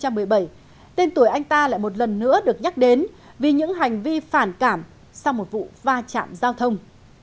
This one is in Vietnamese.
hai năm hai nghìn một mươi sáu và năm hai nghìn một mươi bảy tên tuổi anh ta lại một lần nữa được nhắc đến vì những hành vi phản cảm sau một vụ va chạm giao thông